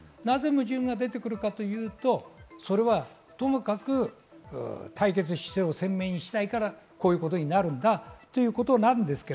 なぜかというと、ともかく対決姿勢を鮮明にしたいからこういうことになるんだということです。